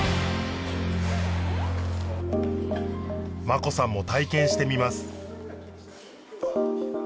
真子さんも体験してみます